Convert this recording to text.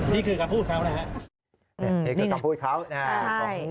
นี่คือการพูดเขานะครับ